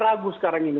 saya ragu sekarang ini